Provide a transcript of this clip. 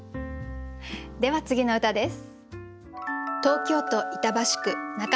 では次の歌です。